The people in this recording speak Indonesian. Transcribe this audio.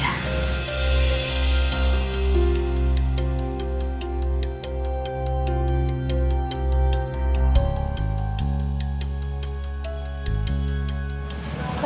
tante yang sabar ya